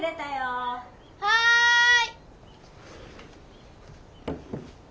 はい。